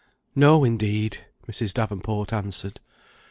"No, indeed!" Mrs. Davenport answered.